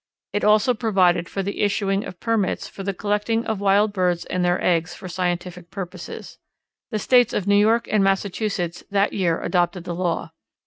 It also provided for the issuing of permits for the collecting of wild birds and their eggs for scientific purposes. The States of New York and Massachusetts that year adopted the law.